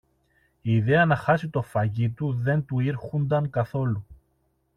Η ιδέα να χάσει το φαγί του δεν του ήρχουνταν καθόλου.